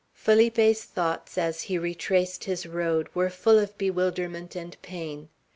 Felipe's thoughts, as he retraced his road, were full of bewilderment and pain.